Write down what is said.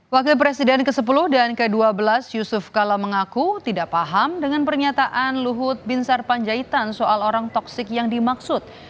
wakil presiden ke sepuluh dan ke dua belas yusuf kala mengaku tidak paham dengan pernyataan luhut binsar panjaitan soal orang toksik yang dimaksud